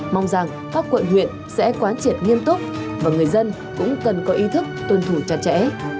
mong rằng các quận huyện sẽ quán triệt nghiêm túc và người dân cũng cần có ý thức tuân thủ chặt chẽ